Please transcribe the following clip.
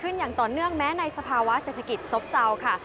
อย่างต่อเนื่องแม้ในสภาวะเศรษฐกิจซบเศร้าค่ะ